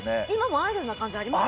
アイドルな感じ、ありますよ。